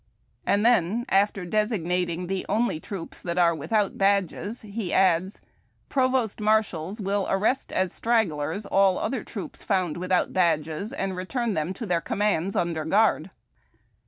And then, after designating the only troops that are with out badges, he adds :— "Provost marshals will arrest as stragglers all other troops found without badges, and return them to their commands under guard."